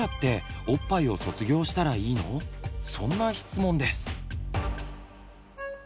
そんな質問です。